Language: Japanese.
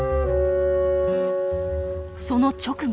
その直後。